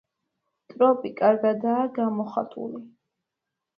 ტროპი კარგადაა გამოხატული.